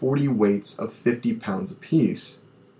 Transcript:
Weights of 50. pounds apiece.